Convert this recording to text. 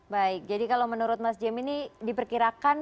baik jadi kalau menurut mas jim ini diperkirakan